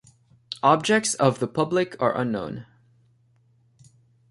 Objects of the public are unknown.